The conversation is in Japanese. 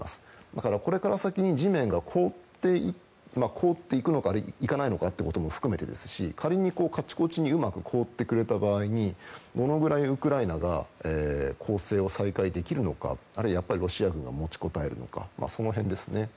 だからこれから先地面が凍っていくのかいかないのかも含めてですし仮にカチコチにうまく凍ってくれた場合にどのぐらいウクライナが攻勢を再開できるのかあるいはロシア軍が持ちこたえるのかその辺ですね。